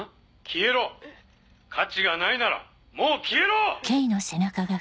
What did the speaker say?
消えろ価値がないならもう消えろ！